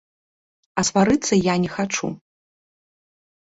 А сварыцца я не хачу.